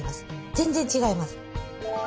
全然違います。